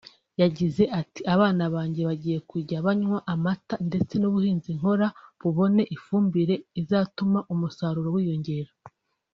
yagize ati “ Abana banjye bagiye kujya banywa amata ndetse n’ubuhinzi nkora bubonye ifumbire izatuma umusaruro wiyongera”